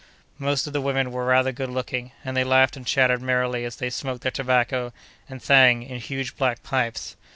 Most of the women were rather good looking, and they laughed and chattered merrily as they smoked their tobacco and "thang" in huge black pipes.